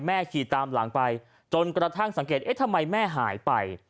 ขี่ตามหลังไปจนกระทั่งสังเกตเอ๊ะทำไมแม่หายไป